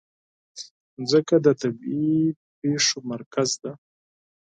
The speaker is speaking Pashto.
مځکه د طبیعي پېښو مرکز ده.